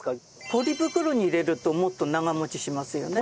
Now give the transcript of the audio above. ポリ袋に入れるともっと長持ちしますよね。